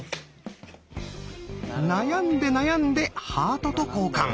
悩んで悩んでハートと交換。